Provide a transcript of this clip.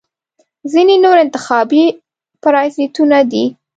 ځینې نور انتخابي پرازیتونه دي.